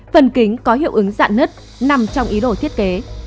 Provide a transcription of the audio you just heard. phần kính có hiệu ứng dạ nứt nằm trong ý đồ thiết kế